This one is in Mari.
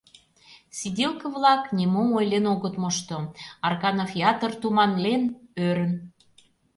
Сиделке-влак нимом ойлен огыт мошто, Арканов ятыр туманлен, ӧрын: